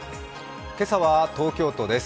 今朝は東京都です